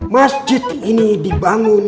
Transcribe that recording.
masjid ini dibangun